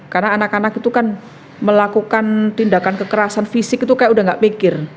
karena anak anak itu kan melakukan tindakan kekerasan fisik itu kayak udah gak mikir